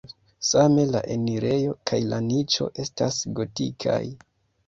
Same la enirejo kaj la niĉo estas gotikaj.